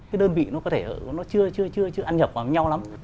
cái đơn vị nó có thể nó chưa ăn nhập vào nhau lắm